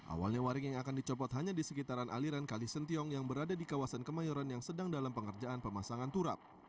awalnya waring yang akan dicopot hanya di sekitaran aliran kali sentiong yang berada di kawasan kemayoran yang sedang dalam pengerjaan pemasangan turap